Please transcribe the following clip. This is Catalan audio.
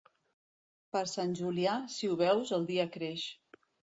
Per Sant Julià, si ho veus, el dia creix.